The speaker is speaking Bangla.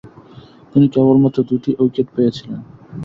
তিনি কেবলমাত্র দুটি উইকেট পেয়েছিলেন।